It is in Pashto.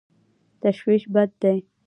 تشویش بد دی.